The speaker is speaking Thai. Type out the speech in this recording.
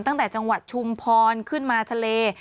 ตั้งแต่จังหวัดชุมพรขึ้นมาทะเล